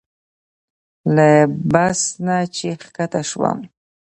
له بس نه چې ښکته شوم.